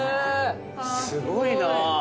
すごいな。